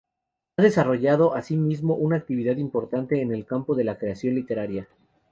Ha desarrollado así mismo una actividad importante en el campo de la creación literaria.